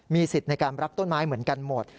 สิทธิ์ในการรักต้นไม้เหมือนกันหมด